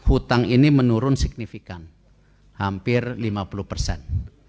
utang ini menurun signifikan hampir lima puluh persen